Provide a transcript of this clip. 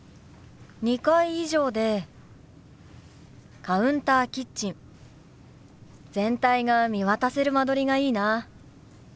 ２階以上でカウンターキッチン全体が見渡せる間取りがいいな。